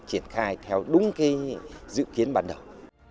triển khai theo đúng dự kiến ban đầu